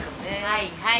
はいはい。